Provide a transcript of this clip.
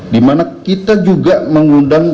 dimana kita juga mengundang